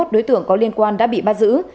hai mươi đối tượng có liên quan đã bị bắt giữ